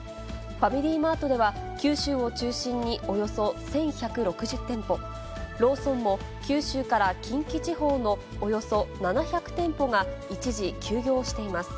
ファミリーマートでは、九州を中心におよそ１１６０店舗、ローソンも、九州から近畿地方のおよそ７００店舗が一時休業しています。